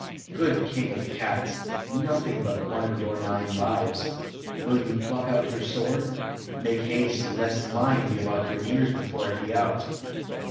"Good king of cats, nothing but one of your nine lives. Will you pluck out your sword? Make haste, lest mine be about your ears before it be out."